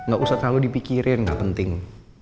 gak usah terlalu dipikirin nggak penting